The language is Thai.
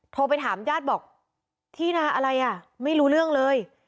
โทรไปถามญาติบอกที่นาอะไรอ่ะไม่รู้เรื่องเลย